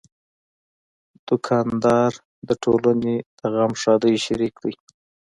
دوکاندار د ټولنې د غم ښادۍ شریک دی.